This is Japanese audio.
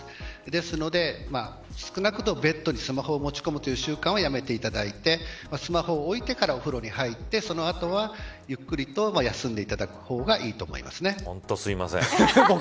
ですので、少なくともベッドにスマホを持ち込む習慣はやめていただいてスマホを置いてからお風呂に入ってその後はゆっくりと休んでいただく方が本当、すいません。